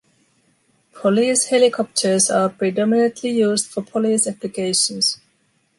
Police helicopters are predominantly used for police applications.